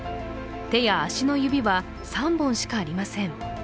手や足の指は３本しかありません。